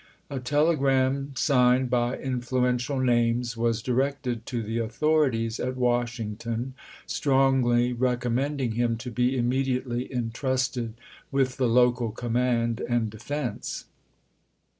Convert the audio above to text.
A telegram signed by influential names was directed to the authorities at Washington strongly recommending him to be immediately in trusted with the local command and defense.